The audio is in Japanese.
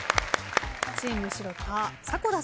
チーム城田迫田さん。